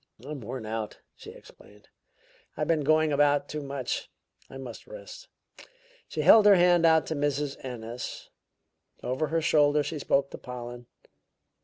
"I'm worn out," she explained. "I've been going about too much. I must rest." She held her hand out to Mrs. Ennis; over her shoulder she spoke to Pollen.